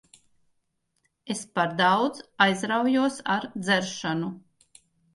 Es par daudz aizraujos ar dzeršanu.